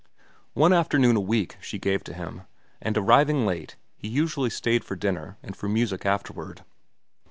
One afternoon a week she gave to him, and arriving late, he usually stayed for dinner and for music afterward.